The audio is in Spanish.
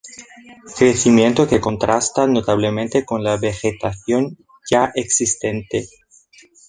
Crecimiento que contrasta notablemente con la vegetación ya existente.